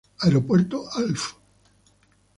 Aeropuerto Alf.